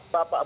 pak pak pak